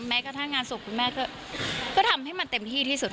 แม้กระทั่งงานศพคุณแม่ก็ทำให้มันเต็มที่ที่สุดค่ะ